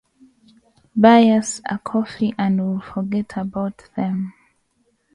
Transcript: Buy us a coffee and we'll forget about them.